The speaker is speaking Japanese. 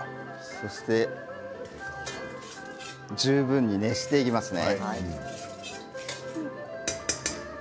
そして、十分に熱していきますね。